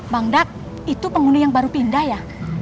bangdak itu penghuni yang baru pindah ya